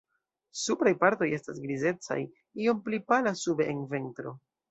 Supraj partoj estas grizecaj, iom pli pala sube en ventro.